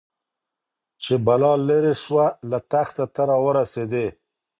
چي بلا ليري سوه له تخته ته راورسېدې